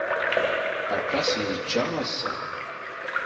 Aṭas i nečča ass-a.